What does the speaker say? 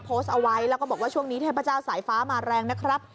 โพสต์เอาไว้แล้วก็บอกว่าช่วงนี้เทพเจ้าสายฟ้ามาแรงนะครับ